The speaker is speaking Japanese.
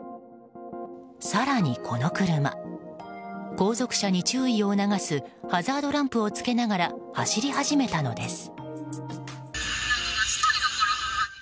更に、この車後続車に注意を促すハザードランプをつけながら走り始めたのです。